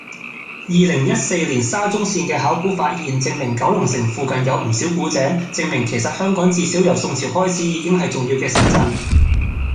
二零一四年沙中線嘅考古發現，證明九龍城附近有唔少古井，證明其實香港至少由宋朝開始已經係重要嘅城鎮